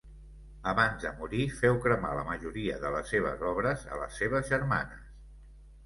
Abans de morir, feu cremar la majoria de les seves obres a les seves germanes.